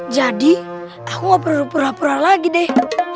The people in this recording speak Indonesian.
jadi aku gak perlu pura pura lagi deh